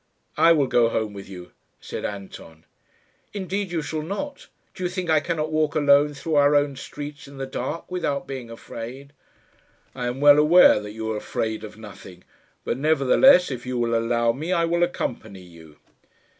"I will go home with you," said Anton. "Indeed you shall not. Do you think I cannot walk alone through our own streets in the dark without being afraid?" "I am well aware that you are afraid of nothing; but nevertheless, if you will allow me, I will accompany you."